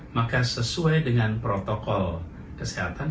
maka sesuai dengan protokol kesehatan